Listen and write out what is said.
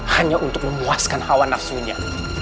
hanya untuk memuaskan hawa nafsunya